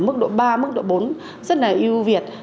mức độ ba mức độ bốn rất là yêu việt